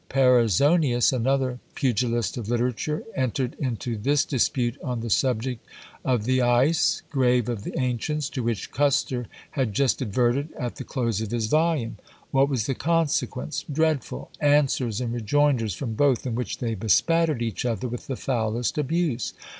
Perizonius, another pugilist of literature, entered into this dispute on the subject of the Æs grave of the ancients, to which Kuster had just adverted at the close of his volume. What was the consequence? Dreadful! Answers and rejoinders from both, in which they bespattered each other with the foulest abuse.